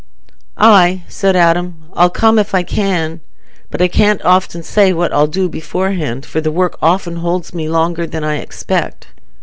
"Aye," said Adam, "I'll come if I can. But I can't often say what I'll do beforehand, for the work often holds me longer than I expect.